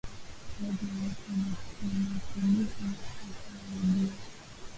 baadhi ya watu wanakodisha masafa ya redio